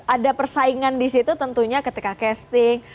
ada persaingan disitu tentunya ketika casting